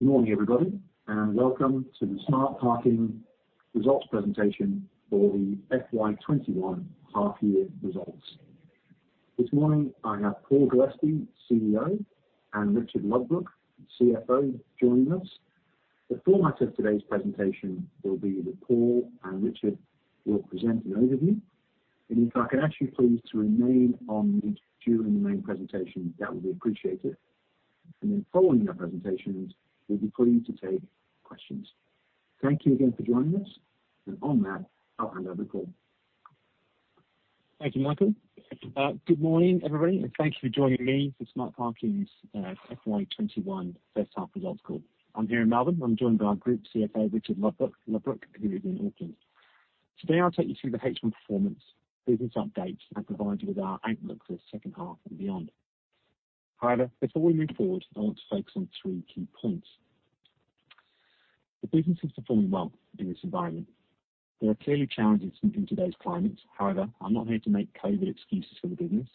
Good morning, everybody, and welcome to the Smart Parking results presentation for the FY 2021 half year results. This morning, I have Paul Gillespie, CEO, and Richard Ludbrook, CFO, joining us. The format of today's presentation will be that Paul and Richard will present an overview. If I could ask you please to remain on mute during the main presentation, that would be appreciated. Following their presentations, we'll be pleased to take questions. Thank you again for joining us. On that, I'll hand over to Paul. Thank you, Michael. Good morning, everybody, and thank you for joining me for Smart Parking's FY 2021 first half results call. I'm here in Melbourne. I'm joined by our Group CFO, Richard Ludbrook, who is in Auckland. Today, I'll take you through the H1 performance, business updates, and provide you with our outlook for the second half and beyond. Before we move forward, I want to focus on three key points. The business is performing well in this environment. There are clearly challenges in today's climate, however, I'm not here to make COVID excuses for the business.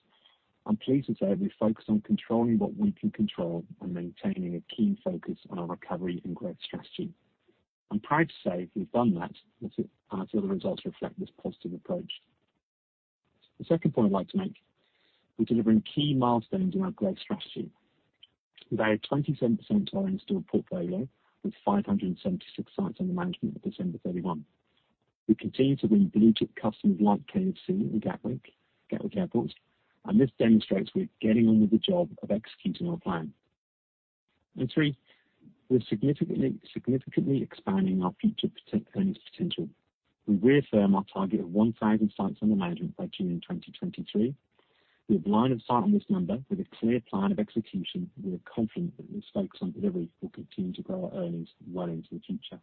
I'm pleased to say we focus on controlling what we can control and maintaining a keen focus on our recovery and growth strategy. I'm proud to say we've done that, and the results reflect this positive approach. The second point I'd like to make, we're delivering key milestones in our growth strategy. We've added 27% to our installed portfolio, with 576 sites under management at December 31st. We continue to win blue-chip customers like KFC and Gatwick Airport, and this demonstrates we're getting on with the job of executing our plan. Three, we're significantly expanding our future earnings potential. We reaffirm our target of 1,000 sites under management by June 2023. We have line of sight on this number with a clear plan of execution, and we are confident that with focus on delivery, we will continue to grow our earnings well into the future.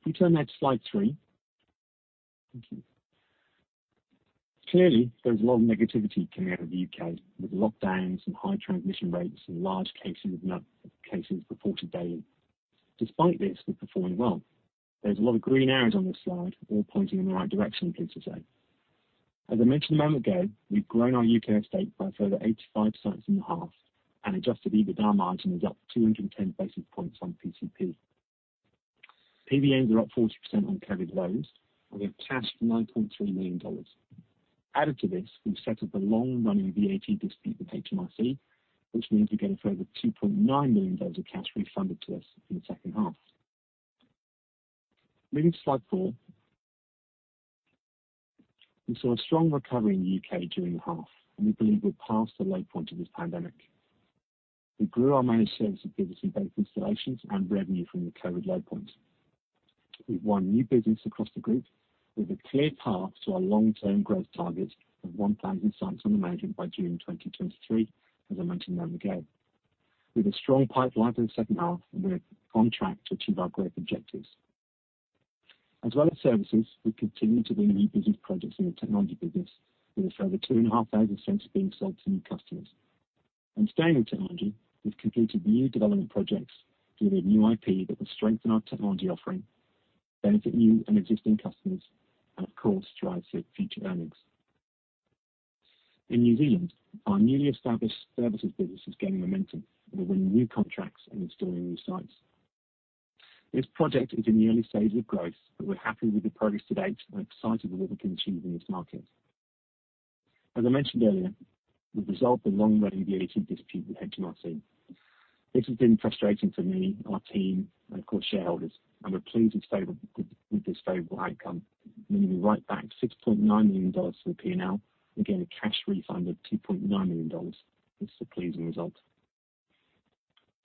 If we turn now to slide three. Thank you. Clearly, there is a lot of negativity coming out of the U.K. with lockdowns and high transmission rates and large cases reported daily. Despite this, we're performing well. There's a lot of green areas on this slide all pointing in the right direction, I'm pleased to say. As I mentioned a moment ago, we've grown our U.K. estate by a further 85 sites in the half, and adjusted EBITDA margin is up 210 basis points on PCP. PBNs are up 40% on COVID lows, and we have cash of 9.3 million dollars. Added to this, we've settled the long-running VAT dispute with HMRC, which means we get a further 2.9 million dollars of cash refunded to us in the second half. Moving to slide four. We saw a strong recovery in the U.K. during the half, and we believe we're past the low point of this pandemic. We grew our managed services business in both installations and revenue from the COVID low point. We've won new business across the group with a clear path to our long-term growth target of 1,000 sites under management by June 2023, as I mentioned a moment ago. With a strong pipeline for the second half, we are on track to achieve our growth objectives. As well as services, we continue to win new business projects in the technology business, with a further 2,500 sensors being sold to new customers. Staying with technology, we've completed new development projects delivering new IP that will strengthen our technology offering, benefit new and existing customers, and of course, drives future earnings. In New Zealand, our newly established services business is gaining momentum and we're winning new contracts and installing new sites. This project is in the early stages of growth, but we're happy with the progress to date and are excited with what we can achieve in this market. As I mentioned earlier, we've resolved the long-running VAT dispute with HMRC. This has been frustrating for me, our team, and of course, shareholders, and we're pleased with this favorable outcome, meaning we write back 6.9 million dollars from the P&L and gain a cash refund of 2.9 million dollars. This is a pleasing result.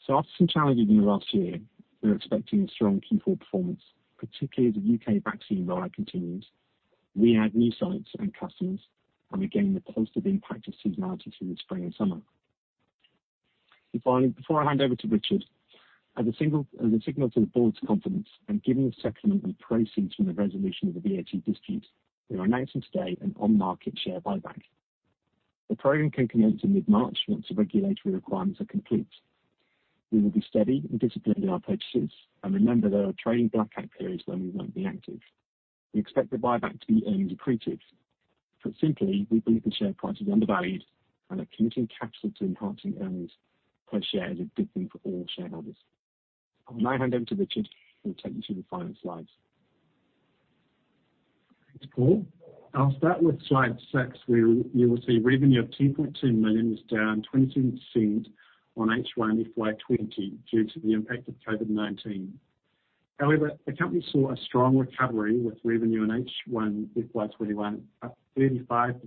After some challenges in the last year, we are expecting a strong Q4 performance, particularly as the U.K. vaccine rollout continues, we add new sites and customers, and we gain the positive impact of seasonality through the spring and summer. Finally, before I hand over to Richard, as a signal to the board's confidence and given the settlement and proceeds from the resolution of the VAT dispute, we are announcing today an on-market share buyback. The program can commence in mid-March once the regulatory requirements are complete. We will be steady and disciplined in our purchases, and remember, there are trading blackout periods where we won't be active. We expect the buyback to be earnings accretive. Put simply, we believe the share price is undervalued and that committing capital to enhancing earnings per share is a good thing for all shareholders. I'll now hand over to Richard, who will take you through the finance slides. Thanks, Paul. I'll start with slide 6, where you will see revenue of 10.2 million is down 20% on H1 FY20 due to the impact of COVID-19. However, the company saw a strong recovery, with revenue in H1 FY21 up 35%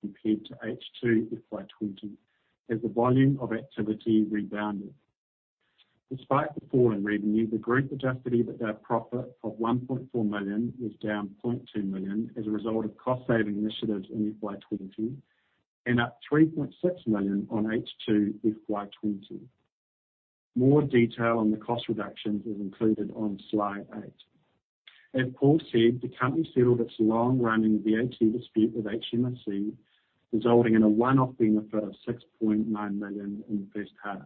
compared to H2 FY20 as the volume of activity rebounded. Despite the fall in revenue, the group-adjusted EBITDA profit of 1.4 million was down 0.2 million as a result of cost-saving initiatives in FY20 and up 3.6 million on H2 FY20. More detail on the cost reductions is included on slide eight. As Paul said, the company settled its long-running VAT dispute with HMRC, resulting in a one-off benefit of 6.9 million in the first half.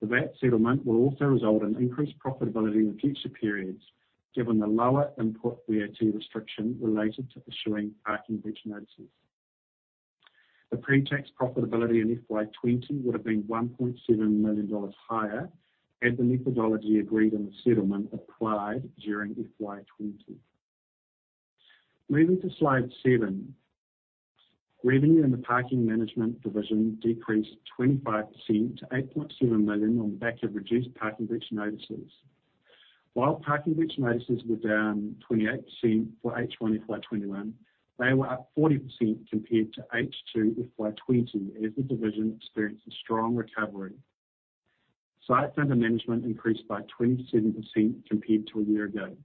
The VAT settlement will also result in increased profitability in future periods, given the lower input VAT restriction related to issuing Parking Breach Notices. The pre-tax profitability in FY20 would have been 1.7 million dollars higher had the methodology agreed on the settlement applied during FY20. Moving to slide seven, revenue in the parking management division decreased 25% to 8.7 million on the back of reduced Parking Breach Notices. While Parking Breach Notices were down 28% for H1 FY21, they were up 40% compared to H2 FY20, as the division experienced a strong recovery. Site under management increased by 27% compared to a year ago.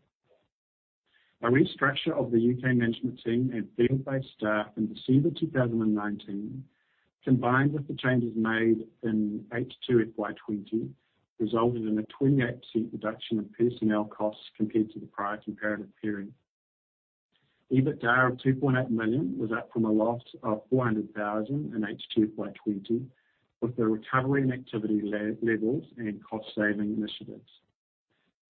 A restructure of the U.K. management team and field-based staff in December 2019, combined with the changes made in H2 FY20, resulted in a 28% reduction of personnel costs compared to the prior comparative period. EBITDA of 2.8 million was up from a loss of 400,000 in H2 FY20, with the recovery in activity levels and cost-saving initiatives.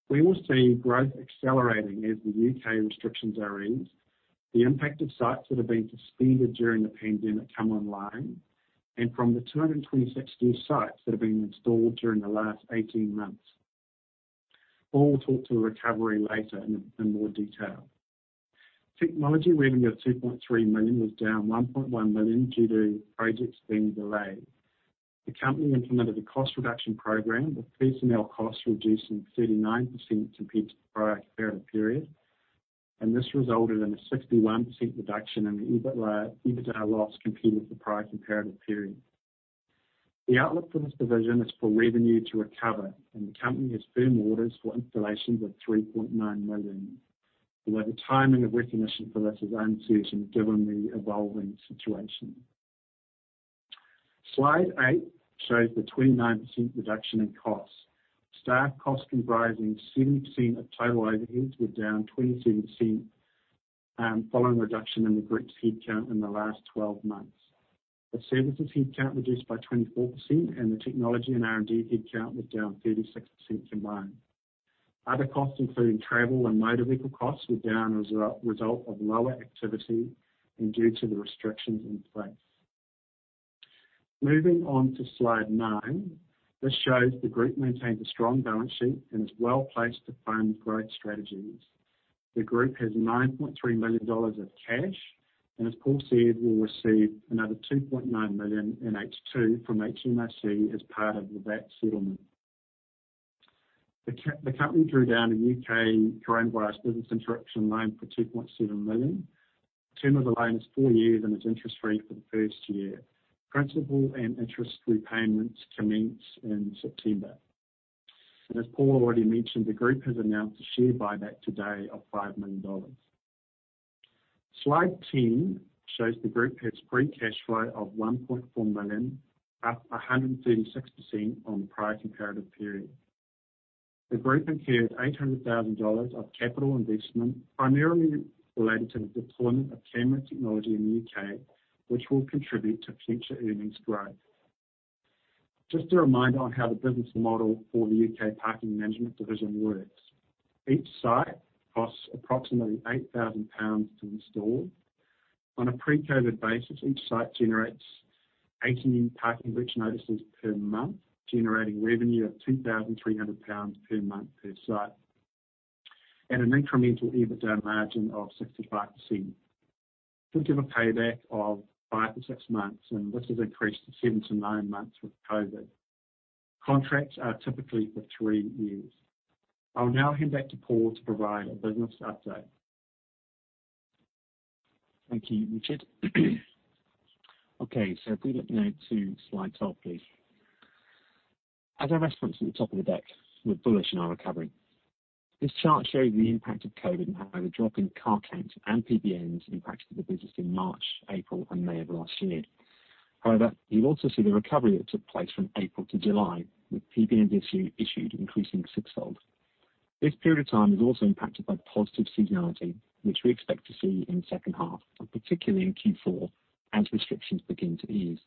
We will see growth accelerating as the U.K. restrictions are eased, the impacted sites that have been suspended during the pandemic come online, and from the 226 new sites that have been installed during the last 18 months. Paul will talk to the recovery later in more detail. Technology revenue of 2.3 million was down 1.1 million due to projects being delayed. The company implemented a cost reduction program, with personnel costs reducing 39% compared to the prior comparative period, and this resulted in a 61% reduction in the EBITDA loss compared with the prior comparative period. The outlook for this division is for revenue to recover, and the company has firm orders for installations of 3.9 million, although the timing of recognition for this is uncertain given the evolving situation. Slide eight shows the 29% reduction in costs. Staff costs comprising 70% of total overheads were down 27% following reduction in the group's headcount in the last 12 months. The services headcount reduced by 24%, and the technology and R&D headcount was down 36% combined. Other costs, including travel and motor vehicle costs, were down as a result of lower activity and due to the restrictions in place. Moving on to slide nine, this shows the group maintains a strong balance sheet and is well-placed to fund growth strategies. The group has 9.3 million dollars of cash and, as Paul said, will receive another 2.9 million in H2 from HMRC as part of the VAT settlement. The company drew down a U.K. Coronavirus Business Interruption Loan Scheme for 2.7 million. The term of the loan is 4 years. It's interest-free for the first year. Principal and interest repayments commence in September. As Paul already mentioned, the group has announced a share buyback today of 5 million dollars. Slide 10 shows the group has free cash flow of 1.4 million, up 136% on the prior comparative period. The group incurred 800,000 dollars of capital investment, primarily related to the deployment of camera technology in the U.K., which will contribute to future earnings growth. Just a reminder on how the business model for the U.K. parking management division works. Each site costs approximately 8,000 pounds to install. On a pre-COVID basis, each site generates 80 new Parking Breach Notices per month, generating revenue of 2,300 pounds per month per site and an incremental EBITDA margin of 65%, which give a payback of 5-6 months. This has increased to 7-9 months with COVID. Contracts are typically for three years. I'll now hand back to Paul to provide a business update. Thank you, Richard. If we look now to slide 12, please. As I referenced at the top of the deck, we're bullish on our recovery. This chart shows the impact of COVID-19 and how the drop in car count and PBNs impacted the business in March, April, and May of last year. You also see the recovery that took place from April to July, with PBNs issued increasing sixfold. This period of time is also impacted by positive seasonality, which we expect to see in the second half, and particularly in Q4, as restrictions begin to ease.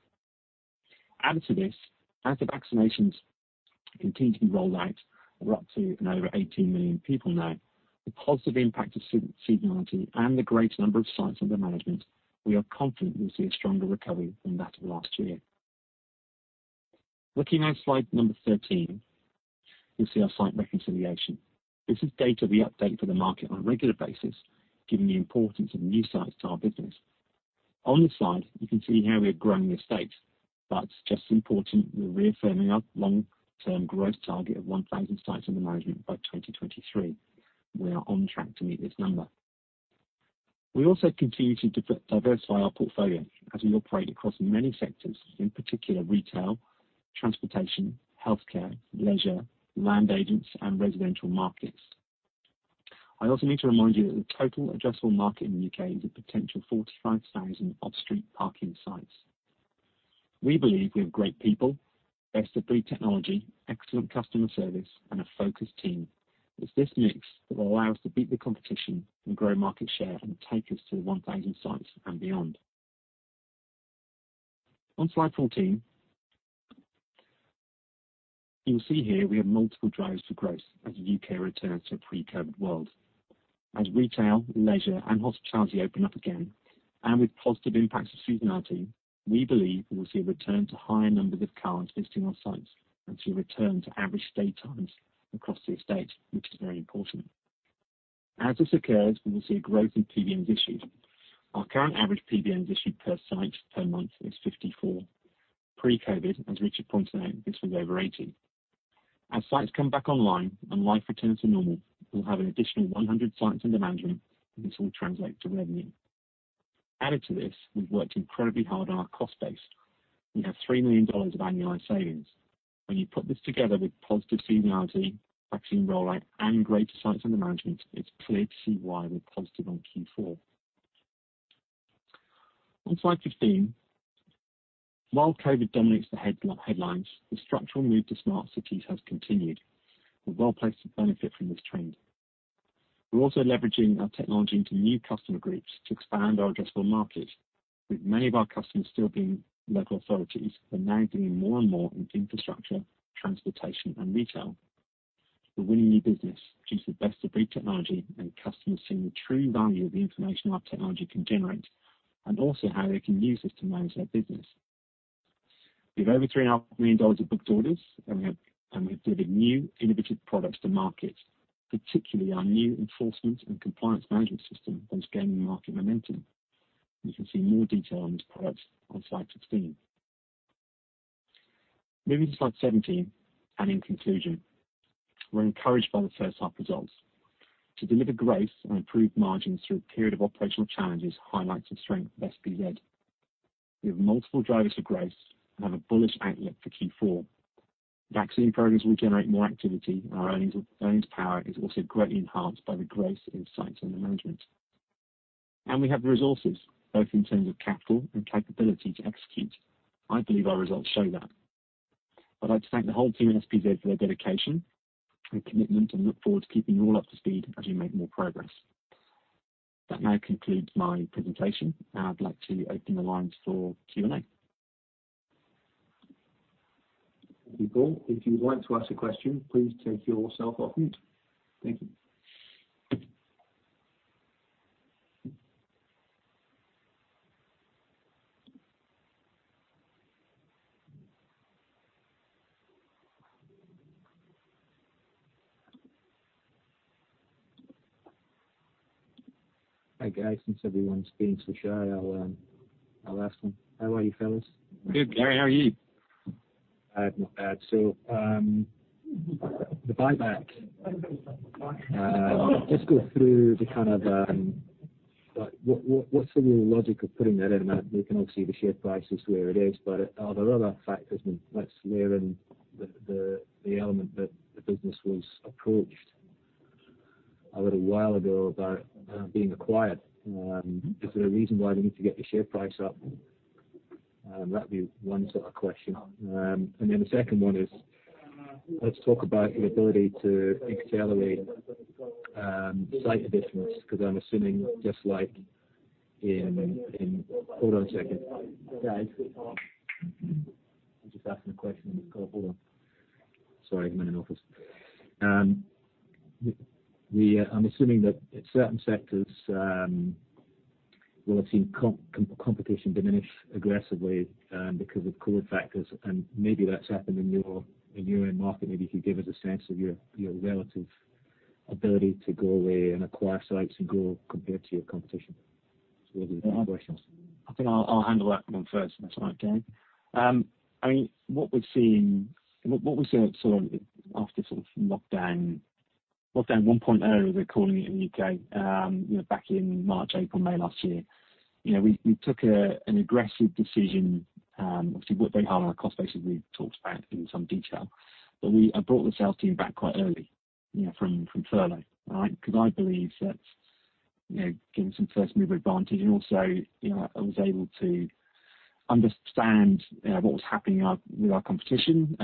As the vaccinations continue to be rolled out, we're up to and over 18 million people now, the positive impact of seasonality and the greater number of sites under management, we are confident we'll see a stronger recovery than that of last year. Looking at slide number 13, you'll see our site reconciliation. This is data we update for the market on a regular basis, given the importance of new sites to our business. On this slide, you can see how we are growing the estate, but just as important, we're reaffirming our long-term growth target of 1,000 sites under management by 2023. We are on track to meet this number. We also continue to diversify our portfolio as we operate across many sectors, in particular retail, transportation, healthcare, leisure, land agents, and residential markets. I also need to remind you that the total addressable market in the U.K. is a potential 45,000 off-street parking sites. We believe we have great people, best-of-breed technology, excellent customer service, and a focused team. It's this mix that will allow us to beat the competition and grow market share and take us to the 1,000 sites and beyond. On slide 14. You'll see here we have multiple drivers for growth as the U.K. returns to a pre-COVID world. As retail, leisure, and hospitality open up again, and with positive impacts of seasonality, we believe we will see a return to higher numbers of cars visiting our sites and see a return to average stay times across the estate, which is very important. As this occurs, we will see a growth in PBNs issued. Our current average PBNs issued per site per month is 54. Pre-COVID, as Richard pointed out, this was over 80. As sites come back online and life returns to normal, we'll have an additional 100 sites under management, and this will translate to revenue. Added to this, we've worked incredibly hard on our cost base. We have 3 million dollars of annualized savings. When you put this together with positive seasonality, vaccine rollout, and greater sites under management, it's clear to see why we're positive on Q4. On slide 15, while COVID dominates the headlines, the structural move to smart cities has continued. We're well-placed to benefit from this trend. We're also leveraging our technology into new customer groups to expand our addressable market. With many of our customers still being local authorities, we're now doing more and more into infrastructure, transportation, and retail. We're winning new business due to the best-of-breed technology and customers seeing the true value of the information our technology can generate and also how they can use this to manage their business. We have over 3.9 million dollars of booked orders. We have delivered new innovative products to market, particularly our new enforcement and compliance management system that is gaining market momentum. You can see more detail on these products on slide 16. Moving to slide 17. In conclusion, we're encouraged by the first half results. To deliver growth and improved margins through a period of operational challenges highlights the strength of SPZ. We have multiple drivers for growth and have a bullish outlook for Q4. Vaccine programs will generate more activity. Our earnings power is also greatly enhanced by the growth in sites under management. We have the resources, both in terms of capital and capability to execute. I believe our results show that. I'd like to thank the whole team at SPZ for their dedication and commitment, and look forward to keeping you all up to speed as we make more progress. That now concludes my presentation. I'd like to open the lines for Q&A. People, if you'd like to ask a question, please take yourself off mute. Thank you. Hi, guys. Since everyone's being so shy, I'll ask one. How are you fellas? Good, Gary. How are you? Not bad. The buyback. Just go through what's the real logic of putting that in that we can all see the share price is where it is, but are there other factors that's therein the element that the business was approached a little while ago about being acquired? Is there a reason why we need to get the share price up? That'd be one sort of question. The second one is, let's talk about your ability to accelerate site business, because I'm assuming. Hold on a second, guys. I'm just asking a question in this call. Hold on. Sorry, I'm in an office. I'm assuming that certain sectors will have seen competition diminish aggressively because of COVID factors and maybe that's happened in your own market. Maybe if you give us a sense of your relative ability to go away and acquire sites and grow compared to your competition. Those are my questions. I think I'll handle that one first if that's all right, Gary. What we saw after lockdown 1.0, we're calling it in the U.K., back in March, April, May last year, we took an aggressive decision. Obviously, worked very hard on our cost base, as we've talked about in some detail. I brought the sales team back quite early from furlough because I believe that gave them some first-mover advantage, and also, I was able to understand what was happening with our competition.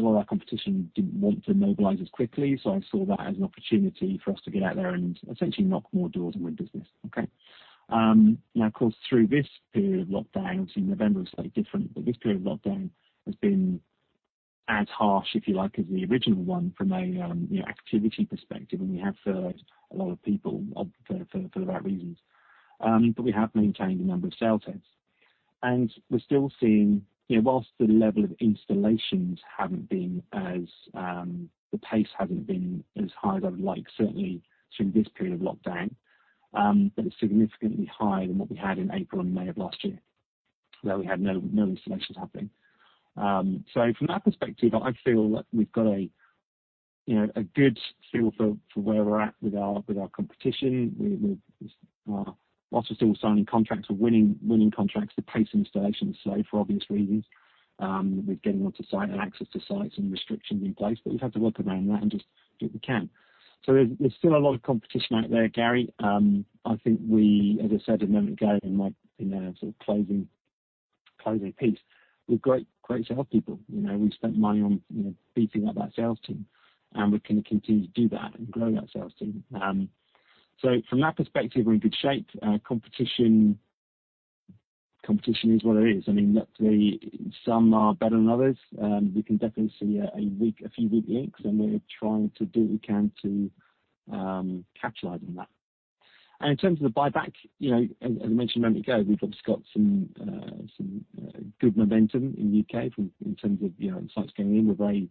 A lot of our competition didn't want to mobilize as quickly, I saw that as an opportunity for us to get out there and essentially knock more doors and win business. Of course, through this period of lockdown, obviously November was slightly different. This period of lockdown has been as harsh, if you like, as the original one from an activity perspective, and we have furloughed a lot of people for the right reasons. We have maintained a number of sales heads. We're still seeing whilst the pace hasn't been as high as I would like, certainly through this period of lockdown. It's significantly higher than what we had in April and May of last year, where we had no installations happening. From that perspective, I feel like we've got a good feel for where we're at with our competition. Whilst we're still signing contracts or winning contracts, the pace of installations is slow for obvious reasons, with getting onto site and access to sites and restrictions in place. We've had to work around that and just do what we can. There's still a lot of competition out there, Gary. I think we, as I said a moment ago in my sort of closing piece, we've great sales people. We've spent money on beefing up that sales team, and we're going to continue to do that and grow that sales team. From that perspective, we're in good shape. Competition is what it is. Some are better than others. We can definitely see a few weak links, and we're trying to do what we can to capitalize on that. In terms of the buyback, as I mentioned a moment ago, we've obviously got some good momentum in the U.K. in terms of sites going in.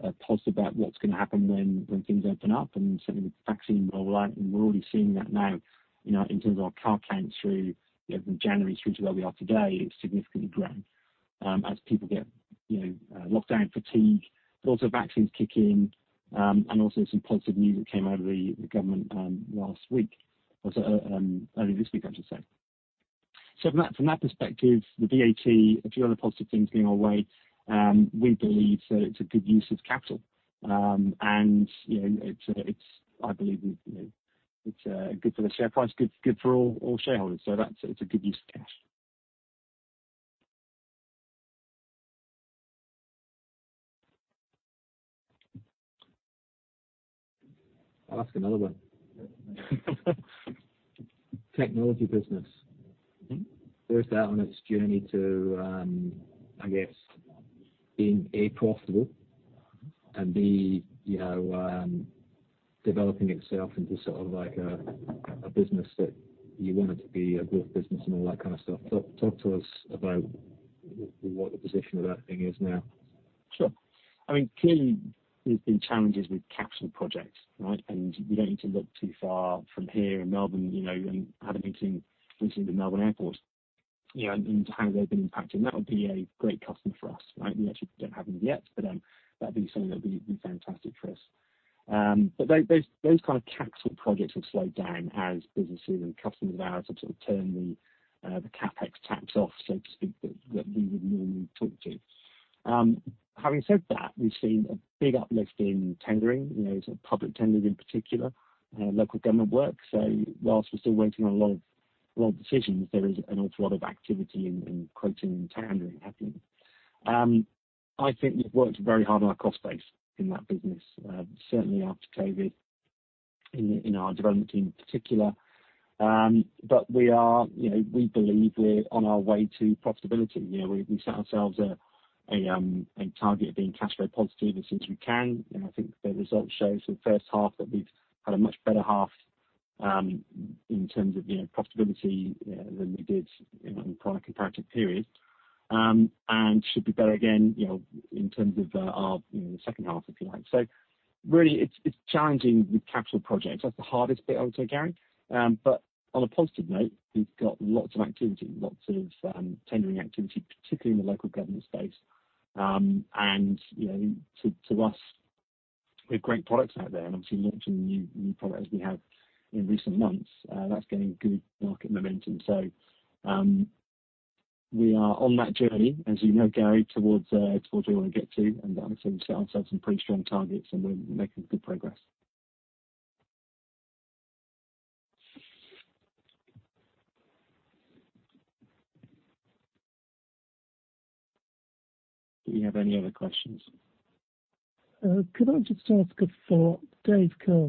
We're very positive about what's going to happen when things open up, certainly with the vaccine rollout. We're already seeing that now in terms of our car counts from January through to where we are today, it's significantly grown as people get lockdown fatigue. Also vaccines kick in. Also some positive news that came out of the government earlier this week, I should say. From that perspective, the VAT, a few other positive things going our way, we believe that it's a good use of capital. I believe it's good for the share price, good for all shareholders. That it's a good use of cash. I'll ask another one. Technology business. Where is that on its journey to, I guess being, A, profitable and B, developing itself into a business that you want it to be a growth business and all that kind of stuff? Talk to us about what the position of that thing is now. Sure. Key, there's been challenges with capital projects. You don't need to look too far from here in Melbourne, and had a meeting recently with Melbourne Airport, and how they've been impacted, and that would be a great customer for us. We actually don't have them yet, that'd be something that would be fantastic for us. Those kind of capital projects have slowed down as businesses and customers of ours have turned the CapEx taps off, so to speak, that we would normally talk to. Having said that, we've seen a big uplift in tendering, public tendering in particular, local government work. Whilst we're still waiting on a lot of decisions, there is an awful lot of activity in quoting and tendering happening. I think we've worked very hard on our cost base in that business, certainly after COVID-19, in our development team in particular. We believe we're on our way to profitability. We set ourselves a target of being cash flow positive as soon as we can, and I think the results show for the first half that we've had a much better half in terms of profitability than we did in the prior comparative period. Should be better again in terms of the second half, if you like. Really it's challenging with capital projects. That's the hardest bit, I would say, Gary. On a positive note, we've got lots of activity, lots of tendering activity, particularly in the local government space. To us, we have great products out there and obviously launching new product as we have in recent months. That's getting good market momentum. We are on that journey, as you know, Gary, towards where we want to get to, and obviously we set ourselves some pretty strong targets and we're making good progress. Do you have any other questions? Dave Curll. Could I just ask a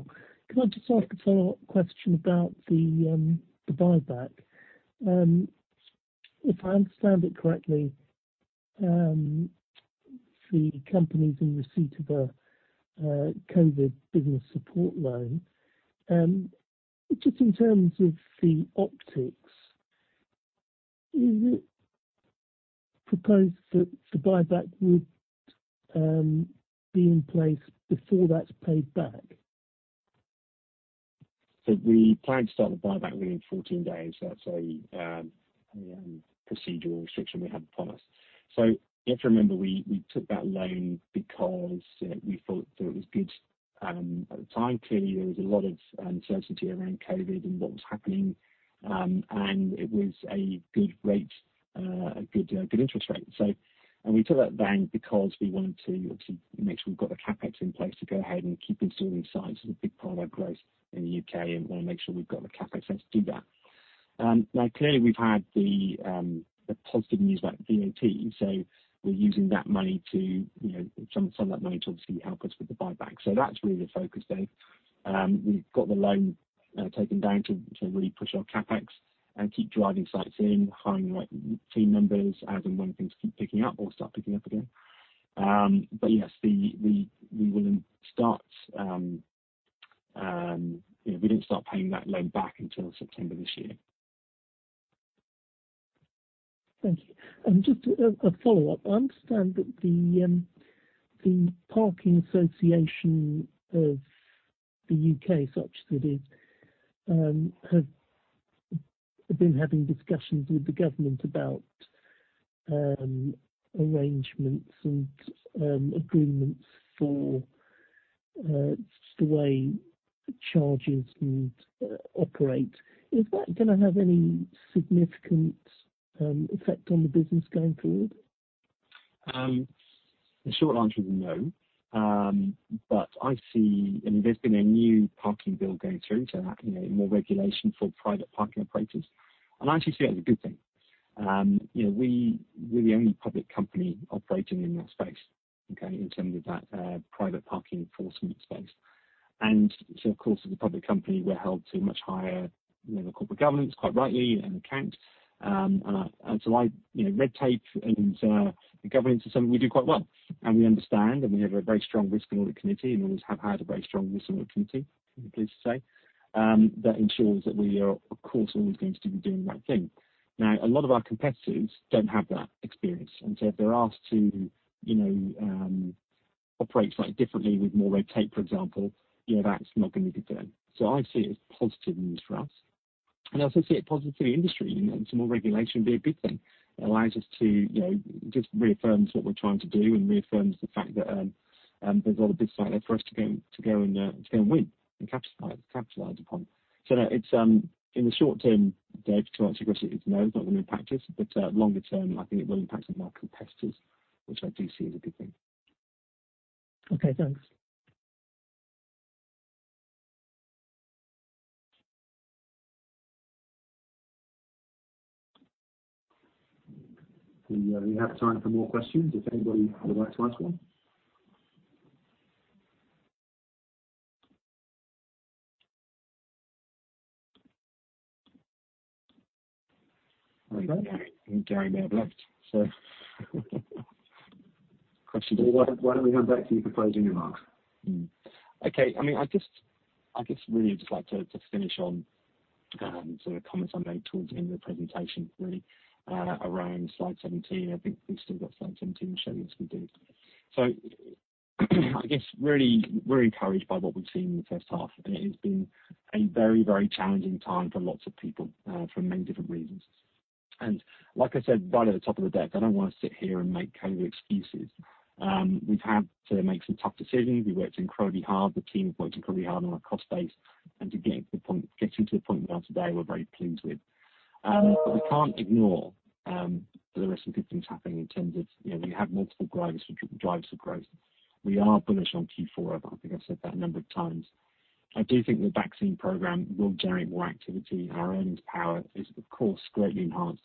follow-up question about the buyback? If I understand it correctly, the company is in receipt of a COVID business support loan. Just in terms of the optics, is it proposed that the buyback would be in place before that's paid back? We plan to start the buyback within 14 days. That's a procedural restriction we have upon us. You have to remember, we took that loan because we thought that it was good at the time. Clearly, there was a lot of uncertainty around COVID-19 and what was happening, and it was a good interest rate. We took that loan because we wanted to obviously make sure we've got the CapEx in place to go ahead and keep installing sites as a big part of our growth in the U.K. and want to make sure we've got the CapEx there to do that. Now, clearly, we've had the positive news about VAT, so we're using some of that money to obviously help us with the buyback. That's really the focus, Dave. We've got the loan taken down to really push our CapEx and keep driving sites in, hiring the right team members as and when things keep picking up or start picking up again. Yes, we wouldn't start paying that loan back until September this year. Thank you. Just a follow-up. I understand that the Parking Association of the U.K., such that it is, have been having discussions with the government about arrangements and agreements for just the way charges operate. Is that going to have any significant effect on the business going forward? The short answer is no. There's been a new parking bill going through, so more regulation for private parking operators. I actually see that as a good thing. We're the only public company operating in that space in terms of that private parking enforcement space. Of course, as a public company, we're held to much higher corporate governance, quite rightly, and account. Red tape and governance are something we do quite well. We understand, and we have a very strong risk and audit committee, and always have had a very strong risk and audit committee, I'm pleased to say. That ensures that we are, of course, always going to be doing the right thing. Now, a lot of our competitors don't have that experience. If they're asked to operate slightly differently with more red tape, for example, that's not going to be good for them. I see it as positive news for us, and I also see it positive for the industry. Some more regulation will be a good thing. It allows us to just reaffirm what we're trying to do and reaffirms the fact that there's a lot of good stuff there for us to go and win and capitalize upon. No, in the short term, Dave, to answer your question, is no, it's not going to impact us. Longer term, I think it will impact on our competitors, which I do see as a good thing. Okay, thanks. We have time for more questions if anybody would like to ask one. Why don't we go back to your closing remarks? Okay. I guess really I'd just like to finish on sort of comments I made towards the end of the presentation, really around slide 17. I think we've still got slide 17 to show you. Yes, we do. I guess really, we're encouraged by what we've seen in the first half, and it has been a very challenging time for lots of people for many different reasons. Like I said right at the top of the deck, I don't want to sit here and make COVID excuses. We've had to make some tough decisions. We worked incredibly hard. The team have worked incredibly hard on our cost base and to get to the point we are today, we're very pleased with. We can't ignore the rest of the things happening in terms of we have multiple drivers for growth. We are bullish on Q4, I think I've said that a number of times. I do think the vaccine program will generate more activity. Our earnings power is of course greatly enhanced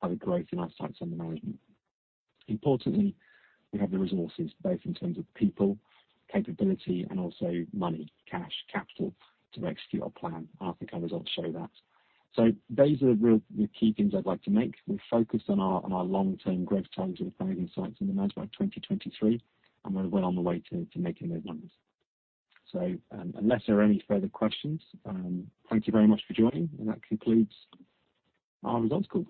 by the growth in our sites under management. Importantly, we have the resources both in terms of people, capability, and also money, cash, capital, to execute our plan. I think our results show that. Those are the key things I'd like to make. We're focused on our long-term growth targets of 1,000 sites under management by 2023, and we're well on the way to making those numbers. Unless there are any further questions, thank you very much for joining, and that concludes our results call.